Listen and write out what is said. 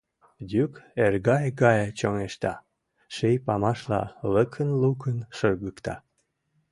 Йӱк эргайык гае чоҥешта, ший памашла лыкын-лукын шыргыкта.